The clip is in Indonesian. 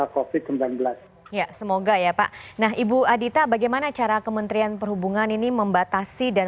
covid sembilan belas ya semoga ya pak nah ibu adita bagaimana cara kementerian perhubungan ini membatasi dan